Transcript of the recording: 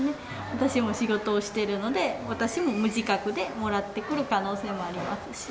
私も仕事をしているので、私も無自覚でもらってくる可能性もありますし。